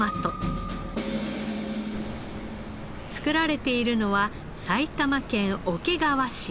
作られているのは埼玉県桶川市。